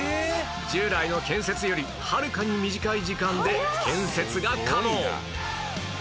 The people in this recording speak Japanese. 従来の建設よりはるかに短い時間で建設が可能